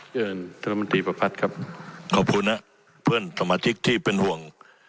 ท่านรัฐมนตรีประพัฒน์ครับขอบคุณนะเพื่อนสมาชิกที่เป็นห่วง